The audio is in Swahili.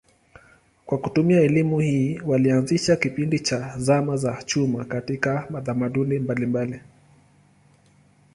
Kwa kutumia elimu hii walianzisha kipindi cha zama za chuma katika tamaduni mbalimbali.